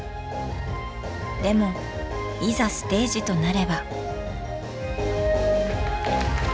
でもいざステージとなれば。